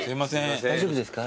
大丈夫ですか？